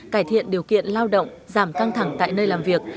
cải thiện điều kiện lao động giảm căng thẳng tại nơi làm việc